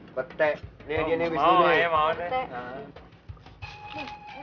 ayat tahu sama kerang